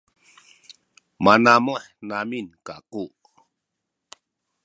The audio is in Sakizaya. manamuh amin kaku